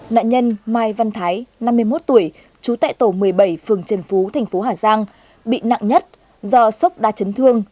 nạn nhân mai văn thái năm mươi một tuổi trú tại tổ một mươi bảy phường trần phú thành phố hà giang bị nặng nhất do sốc đa chấn thương